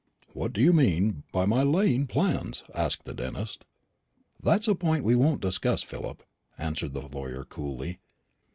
"What do you mean by my laying plans?" asked the dentist. "That's a point we won't discuss, Philip," answered the lawyer coolly.